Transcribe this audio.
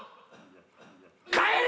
帰れ！